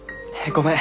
ごめん。